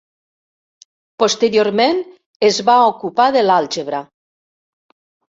Posteriorment es va ocupar de l'àlgebra.